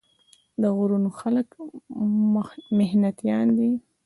د غرونو خلک محنتيان دي ـ